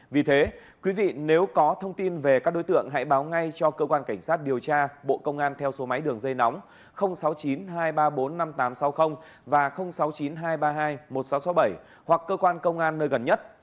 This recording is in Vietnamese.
vì thế quý vị nếu có thông tin về các đối tượng hãy báo ngay cho cơ quan cảnh sát điều tra bộ công an theo số máy đường dây nóng sáu mươi chín hai trăm ba mươi bốn năm nghìn tám trăm sáu mươi và sáu mươi chín hai trăm ba mươi hai một nghìn sáu trăm sáu mươi bảy hoặc cơ quan công an nơi gần nhất